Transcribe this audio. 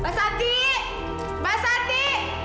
mbak santi mbak santi